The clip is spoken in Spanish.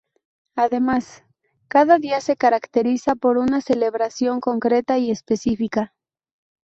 Además, cada día se caracteriza por una celebración concreta y específica.